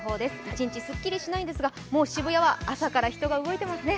一日すっきりしないですが朝から渋谷は動いていますね。